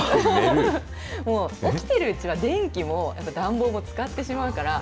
もう起きてるうちは電気も、あと暖房も使ってしまうから。